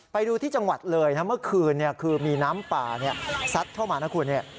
ไปดูที่จังหวัดเลยนะเมื่อคืนคือมีน้ำป่าซัดเข้ามานะคุณเนี่ย